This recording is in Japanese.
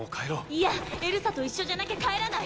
いや、エルサと一緒じゃなきゃ帰らない！